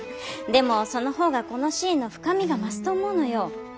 でもその方がこのシーンの深みが増すと思うのよ。